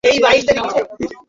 Please, Angela!